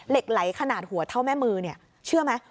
เหล็กไหลขนาดหัวเท่าแม่มือเนี่ยเชื่อไหม